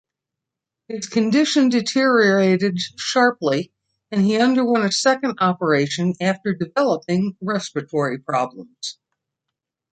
His condition deteriorated sharply, and he underwent a second operation after developing respiratory problems.